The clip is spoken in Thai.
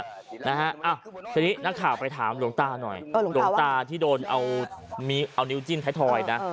นะฮะทีนี้นักข่าวไปถามหลวงตาหน่อยหลวงตาที่โดนเอานิ้วจิ้มไทยทอยนะ